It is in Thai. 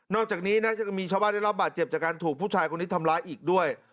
อกจากนี้น่าจะมีชาวบ้านได้รับบาดเจ็บจากการถูกผู้ชายคนนี้ทำร้ายอีกด้วย